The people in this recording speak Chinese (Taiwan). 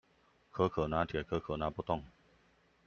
可可拿鐵，可可拿不動